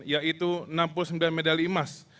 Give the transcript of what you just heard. yaitu enam puluh sembilan medali emas